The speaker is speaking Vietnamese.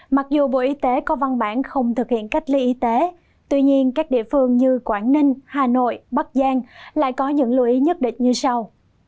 mặc dù bộ y tế có văn bản không thực hiện cách ly y tế tuy nhiên các địa phương như quảng ninh hà nội bắc giang lại có những lưu ý nhất định như sau